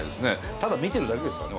ただ見てるだけですからね